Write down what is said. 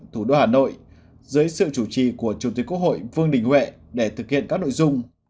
thủ đô hà nội dưới sự chủ trì của chủ tịch quốc hội vương đình huệ để thực hiện các nội dung